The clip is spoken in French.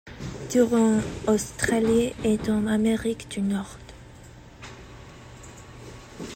Tour en Australie et en Amérique du Nord.